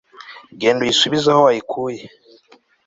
genda uyisubize aho wayikuye